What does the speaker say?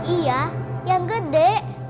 iya yang gede